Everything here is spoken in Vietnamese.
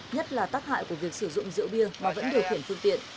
nhất là tác hại của việc sử dụng rượu bia mà vẫn điều khiển phương tiện